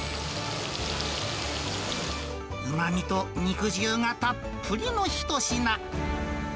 うまみと肉汁がたっぷりの一品。